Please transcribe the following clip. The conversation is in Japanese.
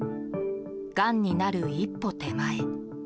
がんになる一歩手前。